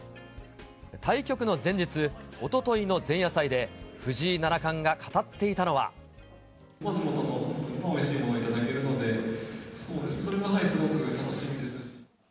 対局の前日、おとといの前夜祭で、地元のおいしいものをいただけるので、それもすごく楽しみですし。